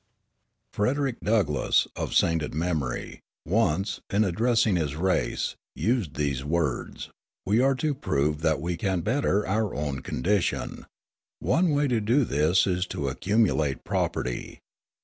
Frederick Douglass, of sainted memory, once, in addressing his race, used these words: "We are to prove that we can better our own condition. One way to do this is to accumulate property.